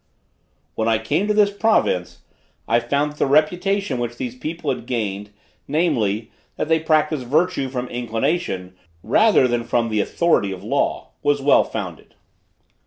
When I came to this province, I found that the reputation which these people had gained, namely: that they practised virtue from inclination rather than from the authority of law was well founded.